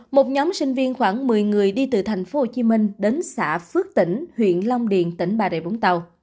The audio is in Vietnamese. một nhóm sinh viên khoảng một mươi người đi từ thành phố hồ chí minh đến xã phước tỉnh huyện long điền tỉnh bà rệ vũng tàu